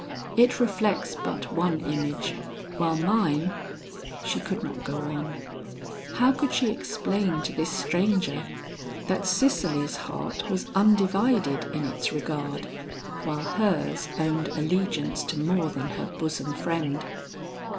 It reflects but one image, while mine " She could not go on. How could she explain to this stranger that Cicely's heart was undivided in its regard, while hers owned allegiance to more than her bosom friend.